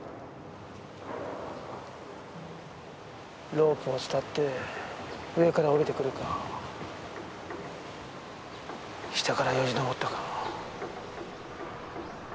ロープを伝って上から下りてくるか下からよじ登ったか。